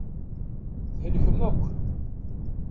Thelkem akk.